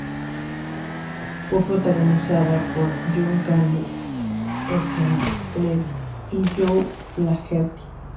Fue protagonizada por John Candy, Eugene Levy y Joe Flaherty.